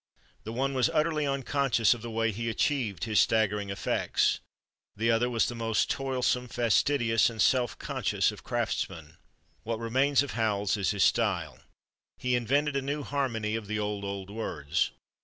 The one was utterly unconscious of the way he achieved his staggering effects; the other was the most toilsome, fastidious and self conscious of craftsmen.... What remains of Howells is his style. He invented a new harmony of "the old, old words."